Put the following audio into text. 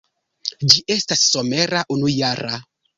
Ĝi estas somera unujara.